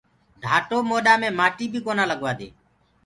ڍآٽو موڏآ مي مآٽيٚ بي ڪونآ لگوآ دي۔